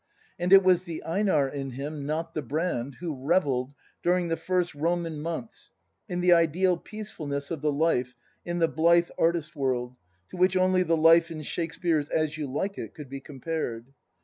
And it was the Einar in him, not the Brand, who revelled, during the first Roman months, in the "ideal peacefulness " of the life in "the blithe artist world, to which only the life in Shakespeare's As You Like It could be compared."